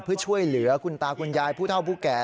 เพื่อช่วยเหลือคุณตาคุณยายผู้เท่าผู้แก่